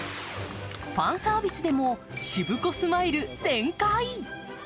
ファンサービスでもシブコスマイル全開。